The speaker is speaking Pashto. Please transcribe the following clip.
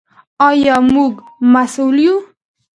آیا موږ مسوول یو؟